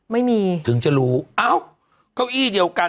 ไม่มีถึงจะรู้เอ้าเก้าอี้เดียวกัน